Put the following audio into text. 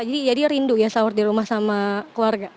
jadi rindu ya sahur di rumah sama keluarga